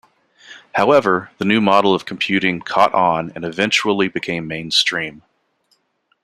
However, the new model of computing caught on and eventually became mainstream.